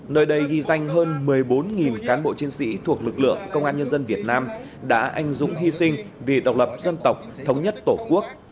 nơi đây ghi danh hơn một mươi bốn cán bộ chiến sĩ thuộc lực lượng công an nhân dân việt nam đã anh dũng hy sinh vì độc lập dân tộc thống nhất tổ quốc